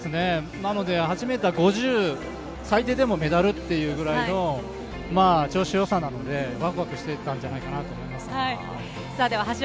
なので８ｍ５０、最低でもメダルというぐらいの調子の良さなのでワクワクしてきたんじゃないでしょ